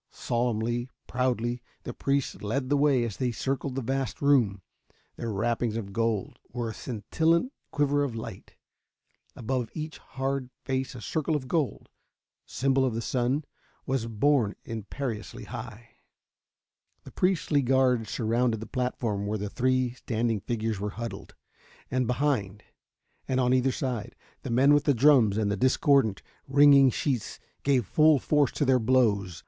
Solemnly, proudly, the priests lead the way as they circled the vast room. Their wrappings of gold were a scintillant quiver of light; above each hard face a circle of gold symbol of the sun was borne imperiously high. The priestly guard surrounded the platform where the three standing figures were huddled. And behind, and on either side, the men with the drums and the discordant, ringing sheets gave full force to their blows.